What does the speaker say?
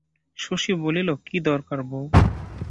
শশী বলিল, কী দরকার বৌ?